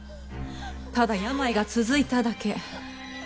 ただ病が続いただけ。